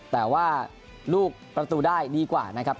แต่ว่าลูกประตูได้ดีกว่านะครับ